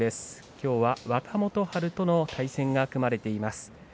きょうは若元春との対戦が組まれています。